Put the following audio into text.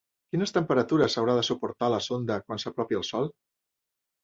Quines temperatures haurà de suportar la sonda quan s'apropi al sol?